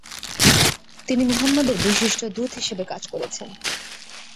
তিনি মুহাম্মদ এর বিশিষ্ট দূত হিসেবে কাজ করেছেন।